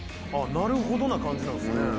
「なるほど」な感じなんですね。